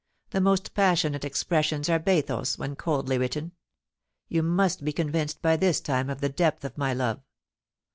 The most passionate expressions are bathos when coldly written. You must be convinced by this time of the depth of my love.